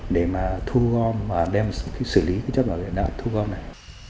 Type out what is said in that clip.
để mà thu gom và đem xử lý cái chất bảo vệ đạn thu gom này